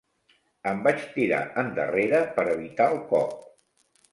Em vaig tirar endarrere per evitar el cop.